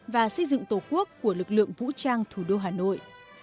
và xây dựng tổ quốc của lực lượng vũ trang thủ đô hà nội